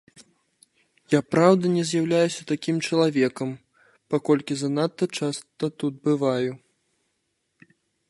Я, праўда, не з'яўляюся такім чалавекам, паколькі занадта часта тут бываю.